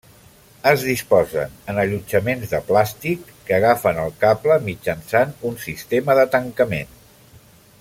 Es disposen en allotjaments de plàstic que agafen el cable mitjançant un sistema de tancament.